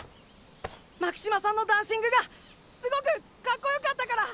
巻島さんのダンシングがすごくカッコよかったから。